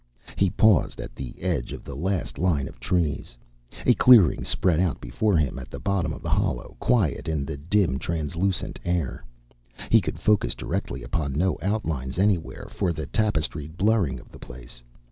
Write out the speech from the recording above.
He paused at the edge of the last line of trees. A clearing spread out before him at the bottom of the hollow, quiet in the dim, translucent air. He could focus directly upon no outlines anywhere, for the tapestried blurring of the place.